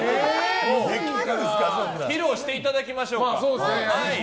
披露していただきましょうか。